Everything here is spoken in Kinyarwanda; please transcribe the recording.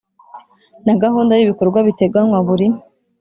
Na gahunda y ibikorwa biteganywa buri